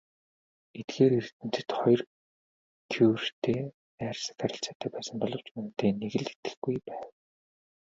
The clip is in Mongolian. Эдгээр эрдэмтэд хоёр Кюретэй найрсаг харилцаатай байсан боловч үнэндээ нэг л итгэхгүй байв.